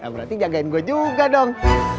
berarti jagain gue juga dong